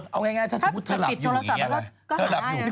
เอาง่ายถ้าสมมุติเธอหลับอยู่อย่างงี้นะก็หาได้นะ